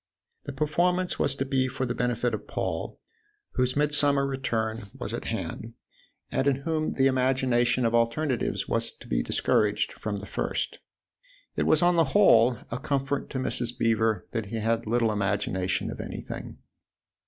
The performance was to be for the benefit of Paul, whose midsummer return was at THE OTHER HOUSE 5 hand and in whom the imagination oi alternatives was to be discouraged from the first. It was on the whole a comfort to Mrs. Beever that he had little imagination of anything.